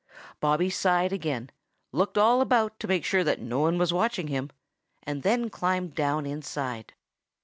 Bobby sighed again, looked all about to make sure that no one was watching him, and then climbed down inside.